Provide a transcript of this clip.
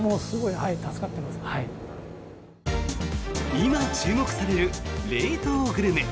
今、注目される冷凍グルメ。